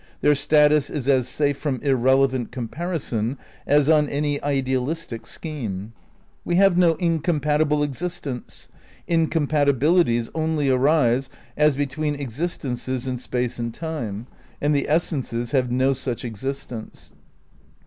Their status is as safe from irrelevant comparison as on any idealistic scheme. We have no incompatible existents. Incompatibilities only arise as between existences in space and time, and the essences have no such existence.